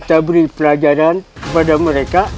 jangan ada apapun yang ingin k respon pelajar berharap